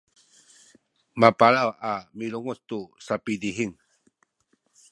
mapalaw a milunguc tu sapadihing